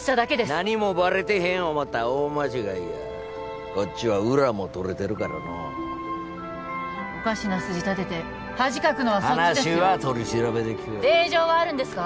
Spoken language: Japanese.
何もバレてへん思ったら大間違いやこっちは裏も取れてるからのうおかしな筋立てて恥かくのはそっちで話は取り調べで聞く令状はあるんですか？